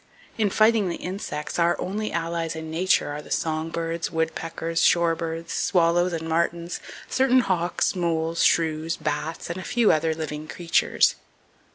In fighting the insects, our only allies in nature are the songbirds, woodpeckers, shore birds, swallows and martins, certain hawks, moles, shrews, bats, and a few other living creatures.